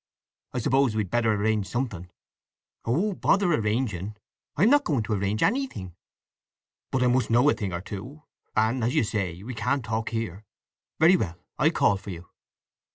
I suppose we'd better arrange something." "Oh, bother arranging! I'm not going to arrange anything!" "But I must know a thing or two; and, as you say, we can't talk here. Very well; I'll call for you."